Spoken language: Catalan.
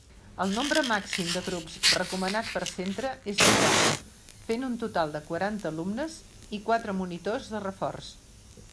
El nombre màxim de grups recomanat per centre és de quatre, fent un total de quaranta alumnes i quatre monitors de reforç.